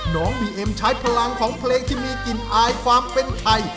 น้องบีเอ็มใช้พลังของเพลงที่มีกลิ่นอายความเป็นไทย